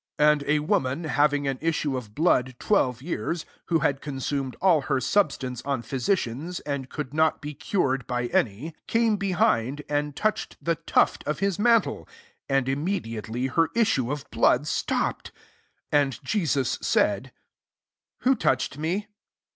43 And a woman, having an issue of blood twelve years, who had consumed all her substance on physicians, and could not be cured by any, 44 came be hind, and touched the tuft of his mantle: and immediately her issue of blood stopped. 45 And Jesus said, <^ Who touched me